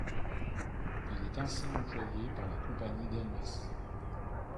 Il est ainsi employé par la compagnie Delmas.